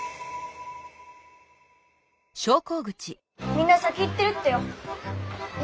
みんな先行ってるってよ。